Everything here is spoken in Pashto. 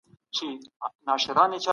په حنفي فقه کي د ذمي ژوند خوندي دی.